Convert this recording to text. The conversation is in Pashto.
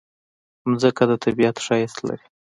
مځکه د طبیعت ښایست لري.